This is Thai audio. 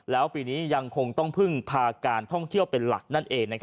แล้วปีนี้ยังคงต้องพึ่งพาการท่องเที่ยวเป็นหลักนั่นเอง